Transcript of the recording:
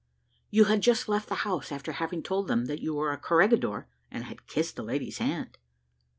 "You had just left the house after having told them that you were a corregidor, and had kissed the lady's hand."